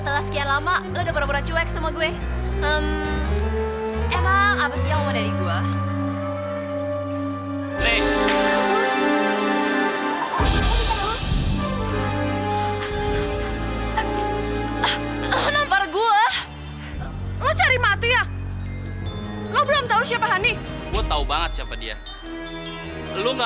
terus tiba tiba sekarang bisa